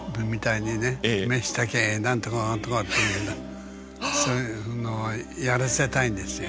飯炊け何とか何とかっていうのそういうのをやらせたいんですよ。